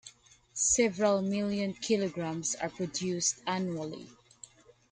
Several million kilograms are produced annually.